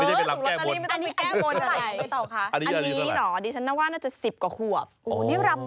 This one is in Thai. โอเคถูกล็อตเตอรี่ไม่ต้องเกลียวแก้บน